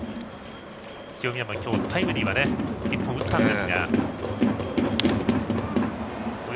清宮も今日はタイムリーを１本打ったんですが。